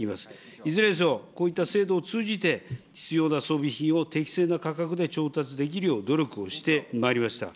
いずれにせよ、こういった制度を通じて必要な装備品を適正な価格で調達できるよう努力をしてまいりました。